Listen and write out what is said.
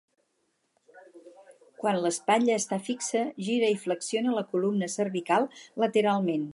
Quan l'espatlla està fixa, gira i flexiona la columna cervical lateralment.